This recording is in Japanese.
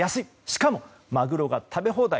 しかも、マグロが食べ放題。